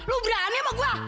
lo berani sama gue